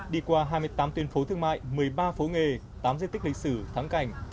đi qua hai mươi tám tuyến phố thương mại một mươi ba phố nghề tám di tích lịch sử thắng cảnh